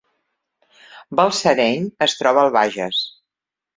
Balsareny es troba al Bages